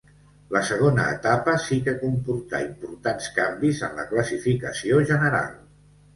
La segona etapa sí que comportà importants canvis en la classificació general.